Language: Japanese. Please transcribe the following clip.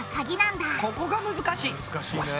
難しいね。